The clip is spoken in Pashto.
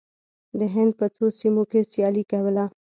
د هند په څو سیمو کې سیالي کوله.